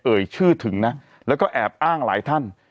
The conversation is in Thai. เอ่ยชื่อถึงนะแล้วก็แอบอ้างหลายท่าน